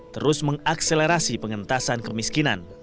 terus mengakselerasi pengentasan kemiskinan